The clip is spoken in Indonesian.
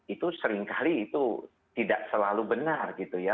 itu seringkali itu tidak selalu benar gitu ya